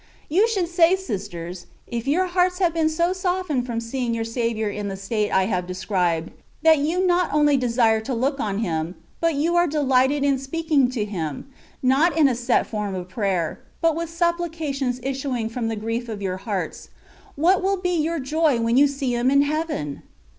You should say, sisters, if your hearts have been so softened from seeing your Saviour in the state I have described, that you not only desire to look on Him, but you are delighted in speaking to Him, not in a set form of prayer, but with supplications issuing from the grief of your hearts, what wiU be your joy when you see Him in heaven?